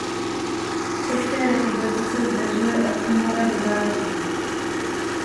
V České republice se zdržuje od února do září.